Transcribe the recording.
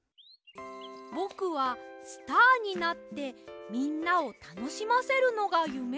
「ぼくはスターになってみんなをたのしませるのがゆめです。